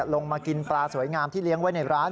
ลงมากินปลาสวยงามที่เลี้ยงไว้ในร้าน